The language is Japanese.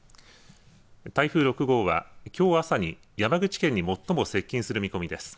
台風６号はきょう朝に山口県に最も接近する見込みです。